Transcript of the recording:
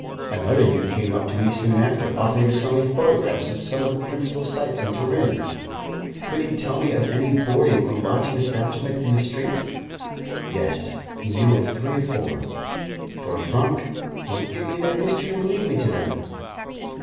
Another youth came up to me soon after, offering to sell me photographs of some of the principal sights in Turin. Could he tell me of any boarding or lodging establishment in the street? Yes, he knew of three or four. For a franc he would give me their history and lead me to them.